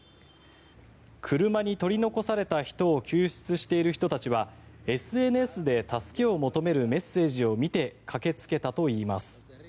車に取り残された人を救出している人たちはＳＮＳで助けを求めるメッセージを見て駆けつけたといいます。